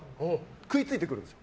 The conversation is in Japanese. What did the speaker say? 食いついてくるんです。